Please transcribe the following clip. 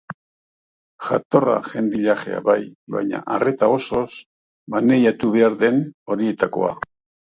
Jatorra jendilajea, bai, baina arreta osoz maneiatu behar den horietakoa.